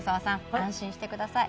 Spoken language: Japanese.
安心してください